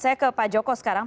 saya ke pak joko sekarang